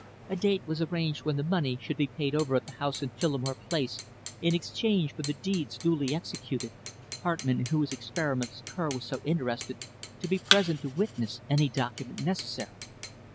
A date was arranged when the money should be paid over at the house in Phillimore Place in exchange for the deeds duly executed, Hartmann, in whose experiments Kerr was so interested, to be present to witness any document necessary.